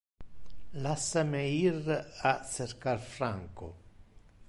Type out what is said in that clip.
Lassa me ir a cercar Franco.